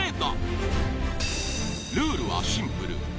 ルールはシンプル。